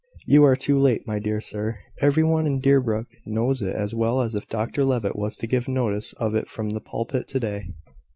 "You are too late, my dear sir. Every one in Deerbrook knows it as well as if Dr Levitt was to give notice of it from the pulpit to day."